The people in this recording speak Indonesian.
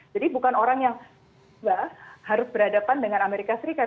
jadi bukan orang yang harus berhadapan dengan amerika serikat